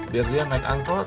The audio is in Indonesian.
biar dia naik angkot